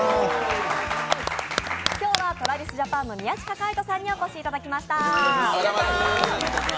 今日はＴｒａｖｉｓＪａｐａｎの宮近海斗さんにお越しいただきました。